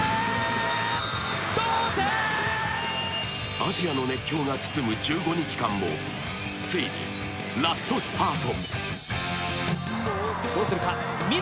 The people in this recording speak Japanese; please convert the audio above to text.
アジアの熱狂が包む１５日間も、ついにラストスパート。